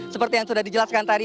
seperti yang sudah dijelaskan tadi